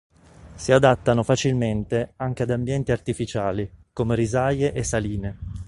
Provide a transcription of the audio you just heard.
Si adattano facilmente anche ad ambienti artificiali, come risaie e saline.